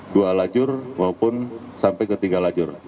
dua lajur maupun sampai ketiga lajur